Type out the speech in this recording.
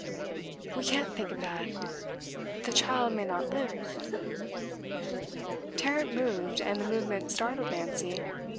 'We can't think of that. The child may not live.' Tarrant moved, and the movement startled Nancy.